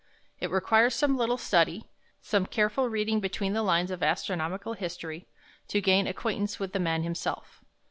It requires some little study, some careful reading between the lines of astronomical history, to gain acquaintance with the man himself.